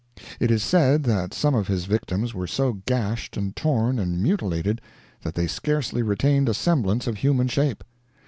It is said that some of his victims were so gashed, and torn, and mutilated, that they scarcely retained a semblance of human shape.